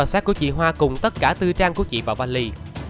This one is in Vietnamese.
hẳn trò sát của chị hoa cùng tất cả bốn trang của chị vào vali